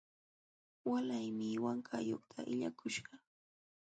Walaymi Wankayuqta illakuśhaq.